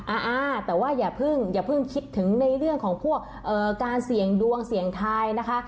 อ่าแต่ว่าอย่าเพิ่งคิดถึงในเรื่องของพวกการเสี่ยงดวงเสี่ยงทายนะคะ